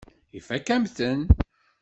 Ifakk-am-ten.